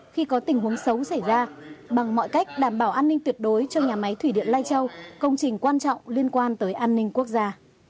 khi có tình huống xấu xảy ra bằng mọi cách đảm bảo an ninh tuyệt đối cho nhà máy thủy điện lai châu công trình quan trọng liên quan tới an ninh quốc gia